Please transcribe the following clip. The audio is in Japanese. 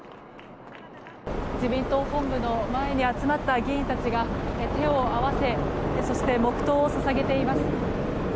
自民党本部の前に集まった議員たちが手を合わせそして黙祷を捧げています。